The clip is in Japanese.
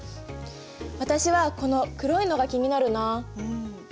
私はこの黒いのが気になるな。